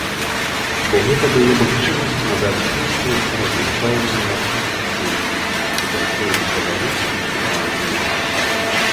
Бо гэта дае магчымасць надаць песням разнастайныя адценні, непаўторны каларыт і магію.